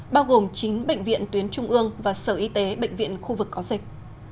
bao gồm chính bệnh viện tuyến trung ương và sở y tế bệnh viện khu vực có dịch